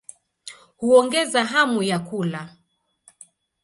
Huongeza hamu ya kula.